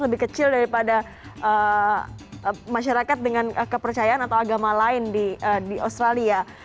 lebih kecil daripada masyarakat dengan kepercayaan atau agama lain di australia